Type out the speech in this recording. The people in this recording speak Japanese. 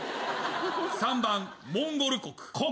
３番モンゴル国。国！？